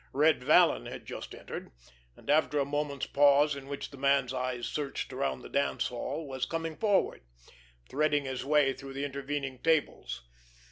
Red Vallon had just entered, and, after a moment's pause in which the man's eyes searched around the dance hall, was coming forward, threading his way through the intervening tables.